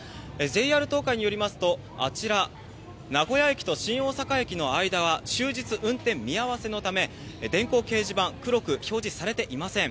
ＪＲ東海によりますと、あちら、名古屋駅と新大阪駅の間は終日運転見合わせのため電光掲示板、黒く表示されていません。